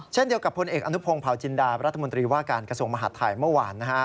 เช่นเดียวกับพลเอกอนุพงศ์เผาจินดารัฐมนตรีว่าการกระทรวงมหาดไทยเมื่อวาน